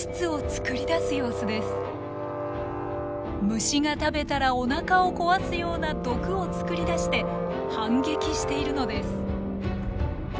虫が食べたらおなかを壊すような毒を作り出して反撃しているのです。